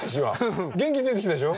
元気出てきたでしょ？